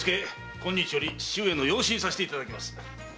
今日より義父上の養子にさせていただきます。